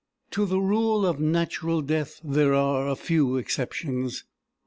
To the rule of natural death there are a few exceptions.